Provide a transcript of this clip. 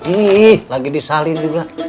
ih lagi disalin juga